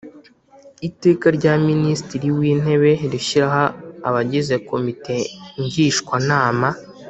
Iteka rya Minisitiri w Intebe rishyiraho Abagize Komite Ngishwanama